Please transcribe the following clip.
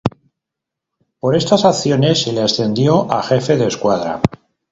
Por estas acciones, se le ascendió a jefe de escuadra.